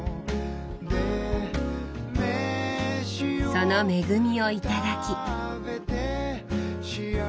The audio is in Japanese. その恵みを頂き。